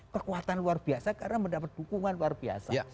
kekuatan luar biasa karena mendapat dukungan luar biasa